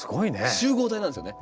集合体なんですよね。